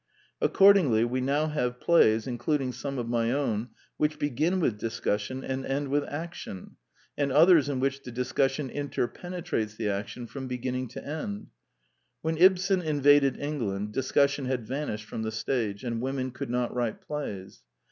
Accordingly, we now have plays, including some of my own, which begin with discussion and end with action, and others in which the discussion interpenetrates the action from beginning to end. When Ibsen in vaded England discussion had vanished from the stage ; and women could not write plays.